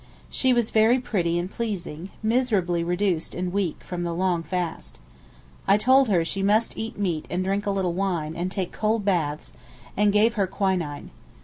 She was very pretty and pleasing; miserably reduced and weak from the long fast. I told her she must eat meat and drink a little wine, and take cold baths, and gave her quinine.